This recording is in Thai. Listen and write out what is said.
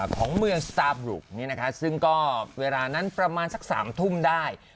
ของเมืองสตาบลุกซึ่งก็เวลานั้นประมาณสัก๓ทุ่มได้